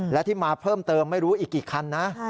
และที่มาเพิ่มเติมไม่รู้อีกกี่คันนะ